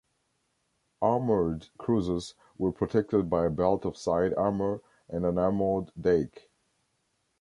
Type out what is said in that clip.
Armoured cruisers were protected by a belt of side armour and an armoured deck.